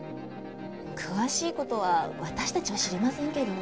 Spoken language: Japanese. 詳しい事は私たちは知りませんけど。